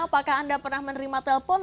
apakah anda pernah menerima telepon